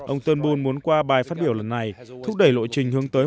ông turnbul muốn qua bài phát biểu lần này thúc đẩy lộ trình hướng tới